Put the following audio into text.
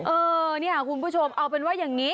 เออเนี่ยคุณผู้ชมเอาเป็นว่าอย่างนี้